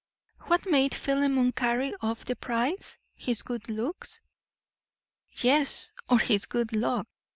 "What made Philemon carry off the prize? His good looks?" "Yes, or his good luck.